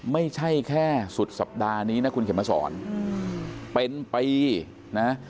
ไม่ใช่แค่สุดสัปดาห์นี้นะคุณเข็มมาสอนเป็นปีนะ